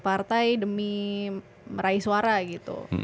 partai demi meraih suara gitu